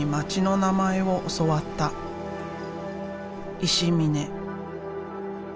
石嶺。